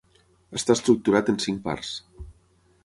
Està estructurat en cinc parts.